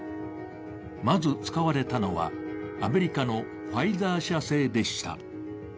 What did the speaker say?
まず使われたのはアメリカのファイザー社製でした。